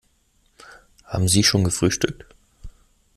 Haben Sie schon gefrühstückt?